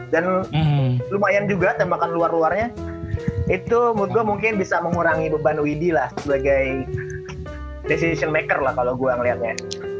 dan lumayan juga tembakan luar luarnya itu menurut gue mungkin bisa mengurangi beban wd lah sebagai decision maker lah kalo gue ngeliatnya